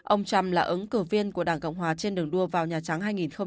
ông trump là ứng cử viên của đảng cộng hòa trên đường đua vào nhà trắng hai nghìn hai mươi